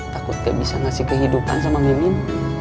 takut gak bisa ngasih kehidupan sama mimin